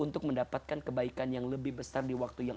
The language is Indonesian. untuk mendapatkan kebaikan yang lebih besar di waktunya itu